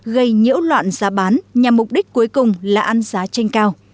gây nhiễu loạn giá bán nhằm mục đích cuối cùng là ăn giá trên cao